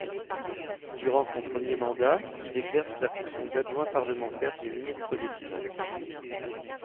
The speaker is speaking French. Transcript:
Durant son premier mandat, il exerce la fonction d'adjoint parlementaire du ministre des Finances.